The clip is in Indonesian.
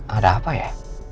ada apa ya